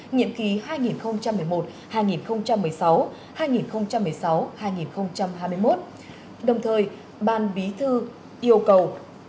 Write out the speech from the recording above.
nhiệm kỳ hai nghìn một mươi một hai nghìn một mươi sáu hai nghìn một mươi sáu hai nghìn hai mươi một đồng thời ban bí thư yêu cầu